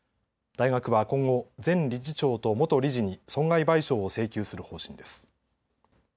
大学は今後、前理事長と元理事に損害賠償を請求する方針です。